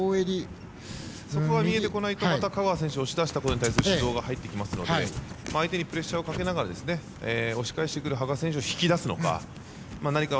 そこが見えてこないと香川選手押し出したことに対する指導が入ってきますので相手にプレッシャーをかけながら押し返してくる羽賀選手を引き出すのか。